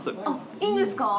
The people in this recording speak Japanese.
いいんですか？